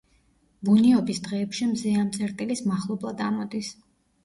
ბუნიობის დღეებში მზე ამ წერტილის მახლობლად ამოდის.